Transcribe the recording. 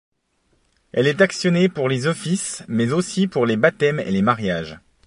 Elle est actionnée pour les offices, mais aussi pour les baptêmes et les mariages.